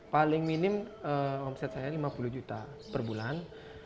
paling minim omset saya lima puluh juta per bulan